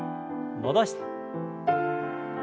戻して。